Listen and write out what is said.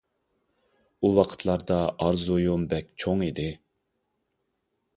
ئۇ ۋاقىتلاردا ئارزۇيۇم بەك چوڭ ئىدى.